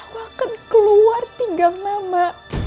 aku akan keluar tigang nama